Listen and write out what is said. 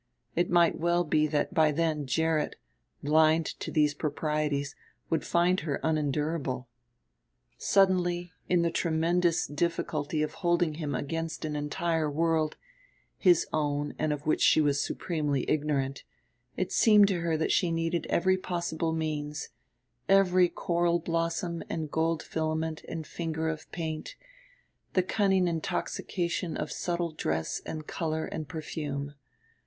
It might well be that by then Gerrit, blind to these proprieties, would find her unendurable. Suddenly, in the tremendous difficulty of holding him against an entire world, his own and of which she was supremely ignorant, it seemed to her that she needed every possible means, every coral blossom and gold filament and finger of paint, the cunning intoxication of subtle dress and color and perfume.